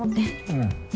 うん。